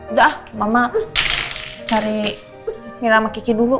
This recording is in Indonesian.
udah ah mama cari mira sama kiki dulu